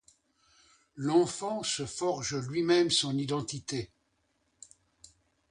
L’enfant se forge lui-même son identité.